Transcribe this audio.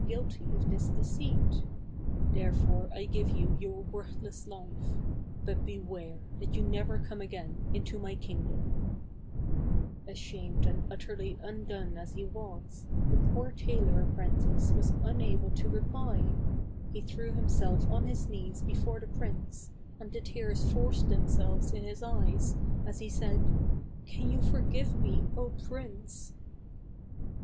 guilty of this deceit ; therefore I give you your worthless life. But beware that you never come again into my kingdom/' Ashamed and utterly undone as he was, the poor tailor apprentice was unable to reply ; he threw himself on his knees before the prince, and the tears forced themselves in his eyes, as he said, " Can you forgive me, 0, Prince